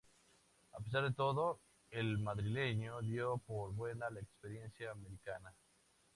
A pesar de todo, el madrileño dio por buena la experiencia americana.